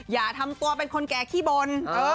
อย่าทำตัวเป็นคนแก่ขี้บน